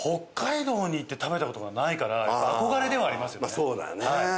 ああそうだよね。